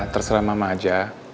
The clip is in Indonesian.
terserah mama aja